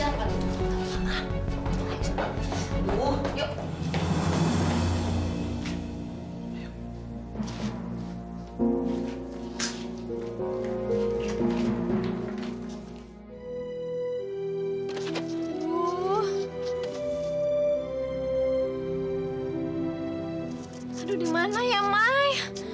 aduh dimana ya mai